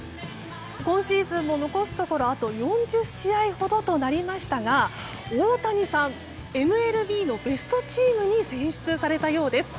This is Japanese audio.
今シーズンも残すところあと４０試合ほどとなりましたが大谷さん、ＭＬＢのベストチームに選出されたようです。